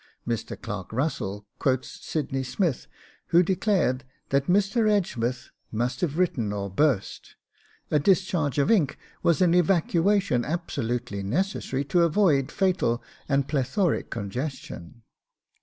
Mr. Clark Russell quotes Sydney Smith, who declared that Mr. Edgeworth must have written or burst. 'A discharge of ink was an evacuation absolutely necessary to avoid fatal and plethoric congestion.